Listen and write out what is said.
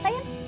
pasti enak deh